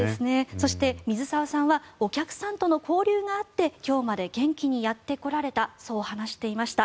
そして、水澤さんはお客さんとの交流があって今日まで元気にやってこられたそう話していました。